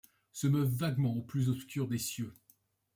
Se meuve vaguement au plus obscur des cieux ;